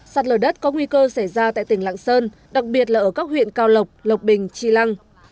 sạt lở đất có nguy cơ xảy ra tại tỉnh lạng sơn đặc biệt là ở các huyện cao lộc lộc bình tri lăng